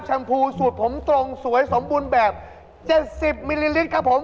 พูดสูตรผมตรงสวยสมบูรณ์แบบ๗๐มิลลิลิตรครับผม